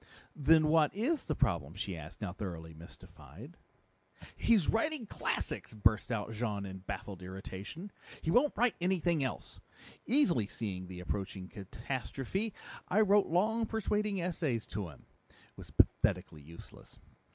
"Then what is the problem?" she asked, now thoroughly mystified. "He's writing classics!" burst out Jean in baffled irritation. "He won't write anything else! Easily seeing the approaching catastrophe, I wrote long persuading essays to him. It was pathetically useless.